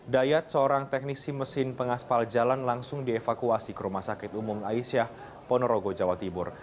dayat seorang teknisi mesin pengaspal jalan langsung dievakuasi ke rumah sakit umum aisyah ponorogo jawa timur